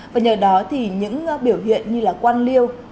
và nhờ đó thì những biểu hiện như là quan liêu